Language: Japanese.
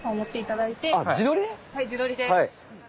はい自撮りで。